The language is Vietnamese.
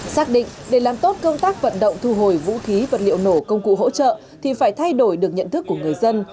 xác định để làm tốt công tác vận động thu hồi vũ khí vật liệu nổ công cụ hỗ trợ thì phải thay đổi được nhận thức của người dân